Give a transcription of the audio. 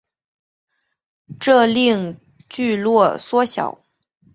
这令聚落缩小。